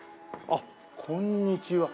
あっこんにちは。